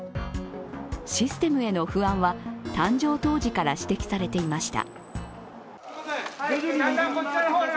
システムへの不安は誕生当時から指摘されていました。